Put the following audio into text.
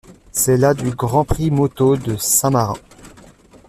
C'est la du Grand Prix moto de Saint-Marin.